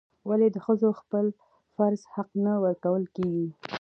ولې د ښځو خپل فرض حق نه ورکول کیږي؟